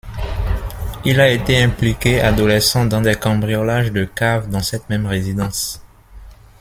Il a été impliqué adolescent dans des cambriolages de caves dans cette même résidence.